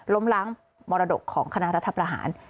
ล้มล้างมรดกของคณะรัฐประหาร